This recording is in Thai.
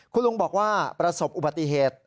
คุณลุงบอกว่าประสบอุบัติเหตุ